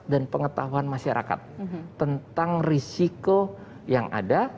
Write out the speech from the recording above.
dan pengetahuan masyarakat tentang risiko yang ada